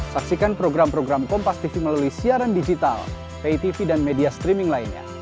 saksikan program program kompastv melalui siaran digital pitv dan media streaming lainnya